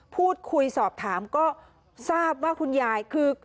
พูดคุยสอบถามก็ทราบว่าคุณยายคือ